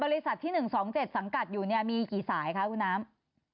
ที่๑๒๗สังกัดอยู่เนี่ยมีกี่สายคะคุณน้ำ